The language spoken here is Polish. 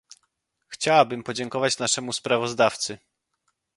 Chciałabym podziękować naszemu sprawozdawcy